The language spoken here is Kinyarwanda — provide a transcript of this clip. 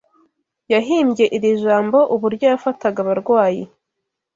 yahimbye iri jambo uburyo yafataga abarwayi